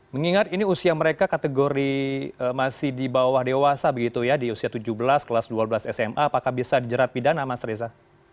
mengingat ini usia mereka kategori masih di bawah dewasa begitu ya di usia tujuh belas kelas dua belas sma apakah bisa dijerat pidana mas reza